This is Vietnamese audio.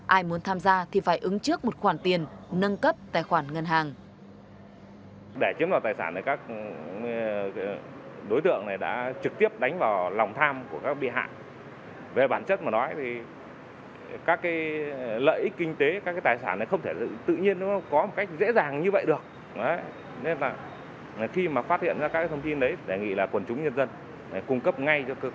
ai muốn tham gia thì phải ứng trước một khoản tiền nâng cấp tài khoản ngân hàng